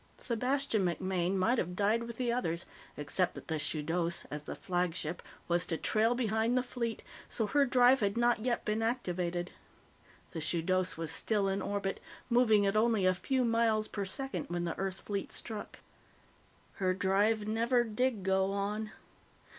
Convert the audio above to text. Sebastian MacMaine might have died with the others except that the Shudos, as the flagship, was to trail behind the fleet, so her drive had not yet been activated. The Shudos was still in orbit, moving at only a few miles per second when the Earth fleet struck. Her drive never did go on.